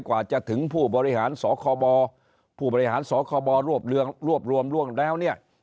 กว่าจะถึงผู้บริหารสคบผู้บริหารสคบรวบรวมร่วมแล้วเนี่ย